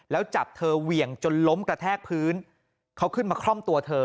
แล้วจับเธอเหวี่ยงจนล้มกระแทกพื้นเขาขึ้นมาคล่อมตัวเธอ